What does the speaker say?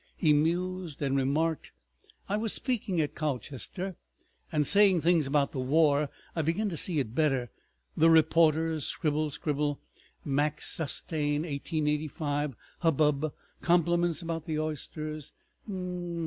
..." He mused and remarked, "I was speaking at Colchester, and saying things about the war. I begin to see it better. The reporters—scribble, scribble. Max Sutaine, 1885. Hubbub. Compliments about the oysters. Mm—mm. ..